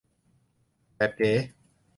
แบบเก๋